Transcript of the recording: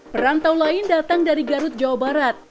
perantau lain datang dari garut jawa barat